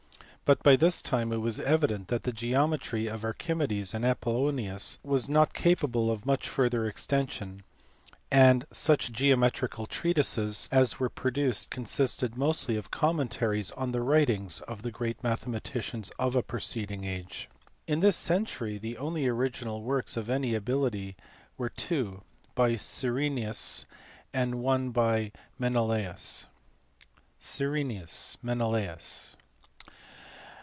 But by this time it was evident that the geometry of Archimedes and Apollonius was not capable of much further extension; and such geometrical treatises as were produced consisted mostly of commentaries on the writings of the great mathematicians of a preceding age. In this century the only original works of any ability were two by Serenus and one by Menelaus. Serenus. Menelaus.